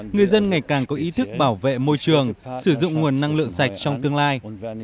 người dân ngày càng có ý thức bảo vệ môi trường sử dụng nguồn năng lượng sạch trong tương lai